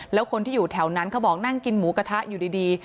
แล้วคนที่อยู่แถวนั้นเขาบอกนั่งกินหมูกระทะอยู่ดี